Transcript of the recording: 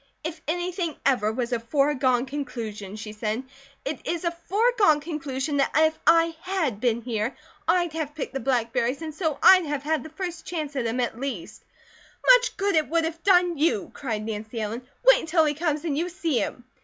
"If anything ever was a 'foregone conclusion,'" she said, "it is a 'foregone conclusion' that if I HAD been here, I'd have picked the blackberries, and so I'd have had the first chance at him, at least." "Much good it would have done you!" cried Nancy Ellen. "Wait until he comes, and you see him!"